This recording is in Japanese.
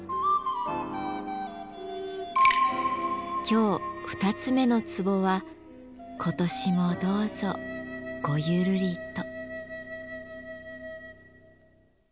今日２つ目の壺は「今年もどうぞ、ごゆるりと」。